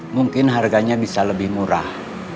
mungkin harganya bisa lebih murah